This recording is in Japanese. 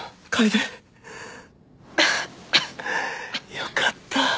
よかった